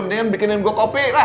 mendingan bikinin gue kopi lah